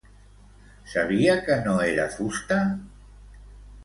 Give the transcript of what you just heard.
Sabia que no era fusta?